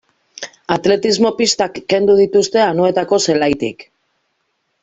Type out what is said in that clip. Atletismo-pistak kendu dituzte Anoetako zelaitik.